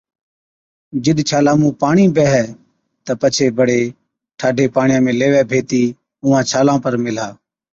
جِڏ ڇالان مُون پاڻِي بيهَي تہ پڇي بڙي ٺاڍي پاڻِيان ۾ ليوَي ڀيتِي اُونهان ڇالان پر ميهلا۔